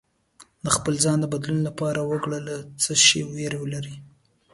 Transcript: د خپل ځان د بدلون لپاره وګره له څه شي ویره لرې